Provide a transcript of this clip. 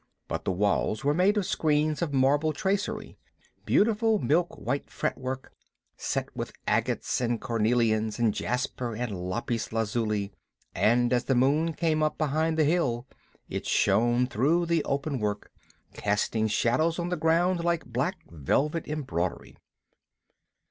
But the walls were made of screens of marble tracery beautiful milk white fretwork, set with agates and cornelians and jasper and lapis lazuli, and as the moon came up behind the hill it shone through the open work, casting shadows on the ground like black velvet embroidery.